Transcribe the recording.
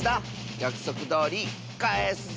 やくそくどおりかえすぞ。